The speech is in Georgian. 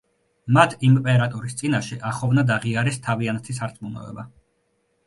მათ იმპერატორის წინაშე ახოვნად აღიარეს თავიანთი სარწმუნოება.